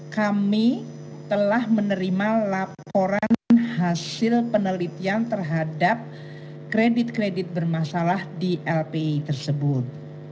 kami telah menerima laporan hasil penelitian terhadap kredit kredit bermasalah di lpi tersebut